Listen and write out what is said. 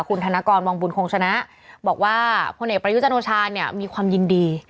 คุณธนกรวังบุญคงชนะบอกว่าพลเอกประยุจันโอชาเนี่ยมีความยินดี